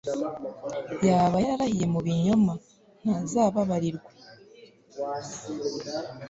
yaba yararahiye mu binyoma, ntazababarirwe